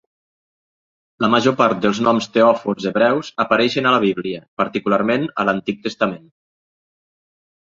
La major part dels noms teòfors hebreus apareixen a la Bíblia, particularment a l'Antic Testament.